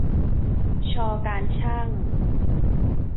ช การช่าง